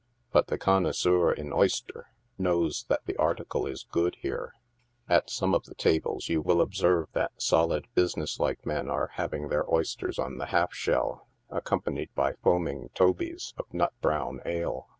But the connoisseur in oyster knows that the article is good, here. At some of the tables you will observe that solid, business like men are hav ing their oysters on the half shell, accompanied by foaming " tobies" of nut brown ale.